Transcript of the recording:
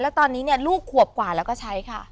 แล้วตอนนี้เนี่ยลูกขวบกว่าแล้วก็ใช้ค่ะ